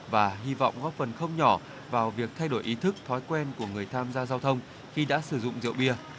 và hy vọng góp phần không nhỏ vào việc thay đổi ý thức thói quen của người tham gia giao thông khi đã sử dụng rượu bia